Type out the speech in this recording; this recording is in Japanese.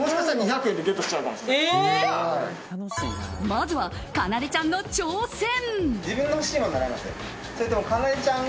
まずは、かなでちゃんの挑戦。